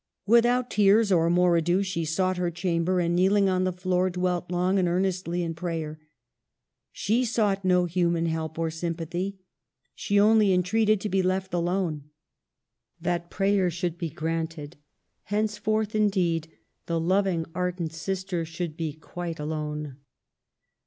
Without tears or more ado she sought her chamber, and, kneeling on the floor, dwelt long and earnestly in prayer. She sought no human help or sympathy; she only entreated to be left alone. That prayer should be granted ; heaceforth, indeed, the loving, ardent sister should be quite alone.